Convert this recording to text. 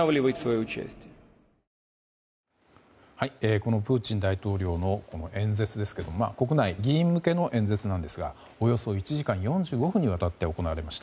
このプーチン大統領の演説ですけども国内、議員向けの演説なんですがおよそ１時間４５分にわたって行われました。